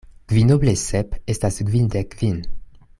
Kvinoble sep estas tridek kvin.